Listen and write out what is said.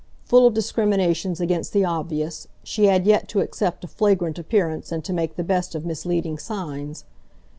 Full of discriminations against the obvious, she had yet to accept a flagrant appearance and to make the best of misleading signs.